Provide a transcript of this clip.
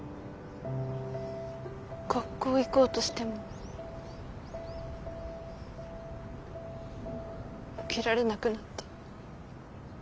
学校行こうとしても起きられなくなった。